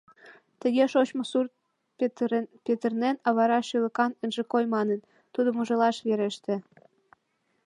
Тыге шочмо сурт петырнен, а вара шӱлыкан ынже кой манын, тудым ужалаш вереште.